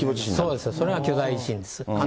そうです、それが巨大地震です。